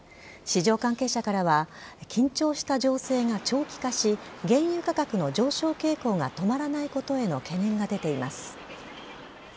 市場関係者からは、緊張した情勢が長期化し、原油価格の上昇傾向が止まらないことへの懸念が出ています。